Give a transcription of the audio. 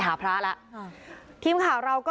สวัสดีครับ